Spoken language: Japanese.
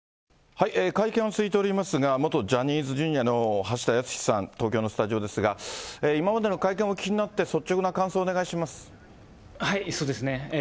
会見は続いておりますが、元ジャニーズＪｒ．の橋田康さん、東京のスタジオですが、今までの会見お聞きになって、そうですね。